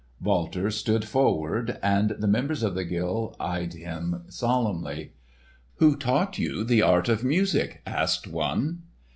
Walter stood forward, and the members of the guild eyed him solemnly. "Who taught you the art of music?" asked one.